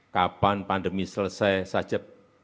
kapan pandemi selesai saja